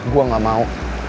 gue gak mau